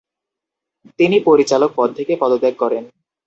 তিনি পরিচালক পদ থেকে পদত্যাগ করেন ।